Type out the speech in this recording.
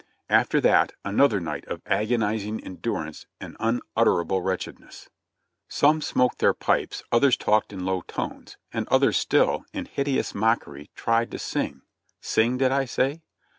After that, another night of agonizing endurance and unutterable wretchedness. Some smoked their pipes, others talked in low tones, and others still, in hideous mockery, tried to sing — sing, did I say?